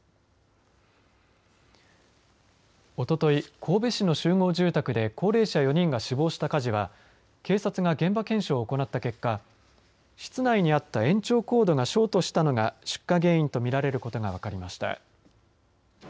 おととい、神戸市の集合住宅で高齢者４人が死亡した火事は警察が現場検証を行った結果室内にあった延長コードがショートしたのが出火原因と見られることが分かりました。